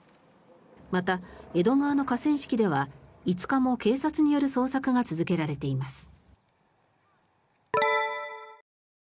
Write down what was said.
また、江戸川の河川敷では５日も警察による捜索が続けられています。